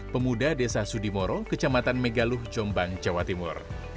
pemuda desa sudimoro kecamatan megaluh jombang jawa timur